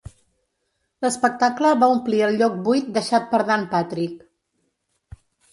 L'espectacle va omplir el lloc buit deixat per Dan Patrick.